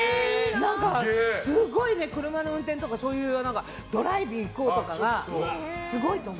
何かすごい車の運転とかそういうドライブ行こうとかがすごいと思う。